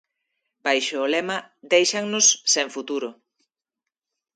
Baixo o lema "Déixannos sen futuro".